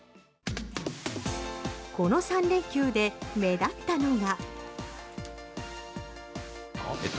この３連休で目立ったのは。